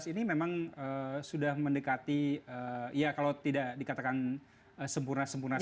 lima belas ini memang sudah mendekati ya kalau tidak dikatakan sempurna sempurna sekali